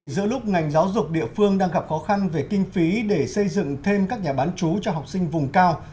giữa lúc ngành giáo dục địa phương đang gặp khó khăn về kinh phí để xây dựng thêm các nhà bán chú cho học sinh vùng cao